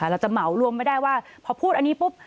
เราจะเหมารวมไม่ได้ว่าพอพูดอันนี้ปุ๊บ